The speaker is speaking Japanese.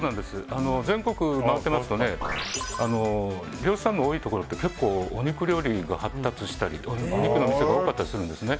全国回ってますと漁師さんが多いところって結構、お肉料理が発達したりとかお肉のお店が多かったりするんですね。